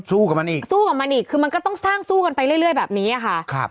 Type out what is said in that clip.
สู้กับมันอีกคือมันก็ต้องสร้างสู้กันไปเรื่อยแบบนี้ค่ะ